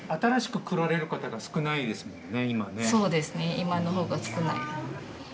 今の方が少ないです。